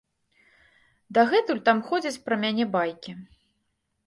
Дагэтуль там ходзяць пра мяне байкі.